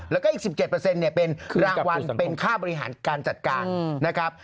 แล้วก็อีก๑๗เป็นรางวัลเป็นค่าบริหารการจัดการนะครับ